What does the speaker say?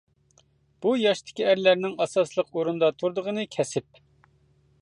بۇ ياشتىكى ئەرلەرنىڭ ئاساسلىق ئورۇندا تۇرىدىغىنى كەسىپ.